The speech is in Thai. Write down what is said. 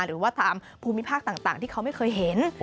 หรือว่าตามภูมิภาคต่างที่เขาไม่เคยเห็น